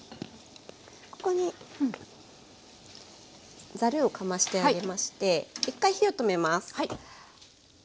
ここにざるをかましてあげまして１回火を止めます。